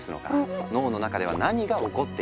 脳の中では何が起こっているのか？